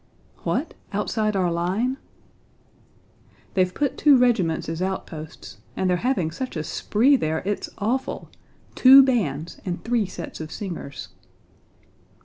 "What, outside our line?" "They've put two regiments as outposts, and they're having such a spree there, it's awful! Two bands and three sets of singers!"